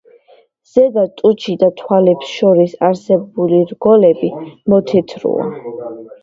ზედა ტუჩი და თვალებს შორის არსებული რგოლები მოთეთროა.